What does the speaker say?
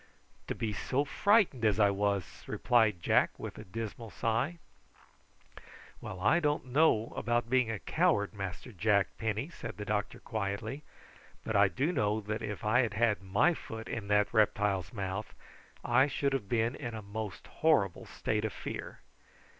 "To be so frightened as I was," replied Jack, with a dismal sigh. "Well, I don't know about being a coward, Master Jack Penny," said the doctor quietly; "but I do know that if I had had my foot in that reptile's mouth I should have been in a most horrible state of fear.